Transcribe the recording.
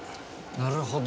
なるほど。